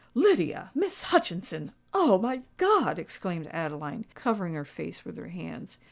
"Lydia—Miss Hutchinson! Oh! my God!" exclaimed Adeline, covering her face with her hands.